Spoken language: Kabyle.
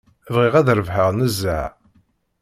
Bɣiɣ ad rebḥeɣ nezzeh.